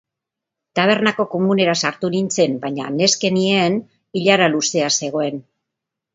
Tabernako komunera sartu nintzen baina neskenean ilara luzea zegoen.